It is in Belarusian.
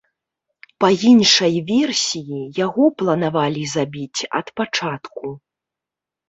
Па іншай версіі, яго планавалі забіць ад пачатку.